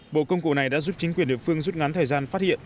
bộ công cụ này đã giúp chính quyền địa phương rút ngắn thời gian phát hiện